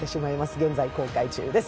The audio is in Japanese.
現在公開中です。